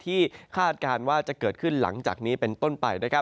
คาดการณ์ว่าจะเกิดขึ้นหลังจากนี้เป็นต้นไป